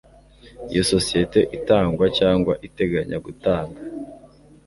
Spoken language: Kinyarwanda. Iyo sosiyete itanga cyangwa iteganya gutanga